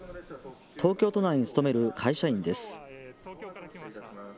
東京都内に勤める会社員です。